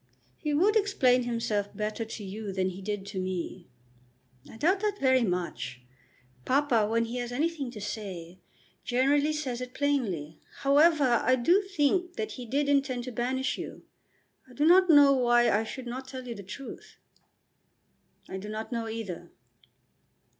"He would explain himself better to you than he did to me." "I doubt that very much. Papa, when he has anything to say, generally says it plainly. However, I do think that he did intend to banish you. I do not know why I should not tell you the truth." "I do not know either."